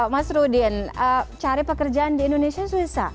mas rudin cari pekerjaan di indonesia susah